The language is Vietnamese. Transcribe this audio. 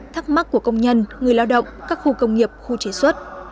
thắc mắc của công nhân người lao động các khu công nghiệp khu chế xuất